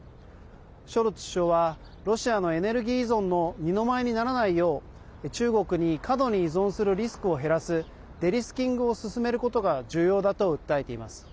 ショルツ首相はロシアのエネルギー依存の二の舞にならないよう中国に過度に依存するリスクを減らすデリスキングを進めることが重要だと訴えています。